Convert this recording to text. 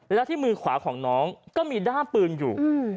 แล้วที่มือขวาของน้องก็มีด้ามปืนอยู่